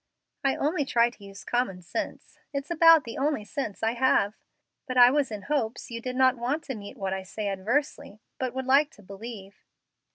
"I only try to use common sense. It's about the only sense I have. But I was in hopes you did not want to meet what I say adversely, but would like to believe."